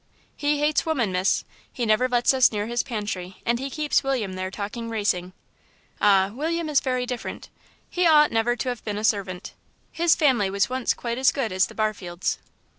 "He hates women, Miss; he never lets us near his pantry, and he keeps William there talking racing." "Ah, William is very different. He ought never to have been a servant. His family was once quite as good as the Barfields."